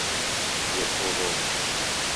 也透露